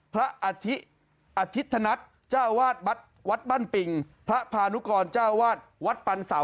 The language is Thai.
พระอธิษฐนัตริย์เจ้าอาวาดวัดบั้นปิงพระพานุกรเจ้าอาวาดวัดปันเสา